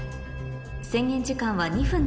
制限時間は２分です